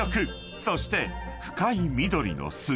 ［そして深い緑の杉］